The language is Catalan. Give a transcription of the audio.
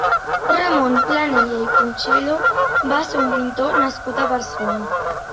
Ramon Planella i Conxello va ser un pintor nascut a Barcelona.